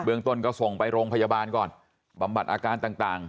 เมืองต้นก็ส่งไปโรงพยาบาลก่อนบำบัดอาการต่าง